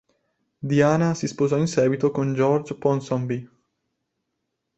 Diana si sposò in seguito con George Ponsonby.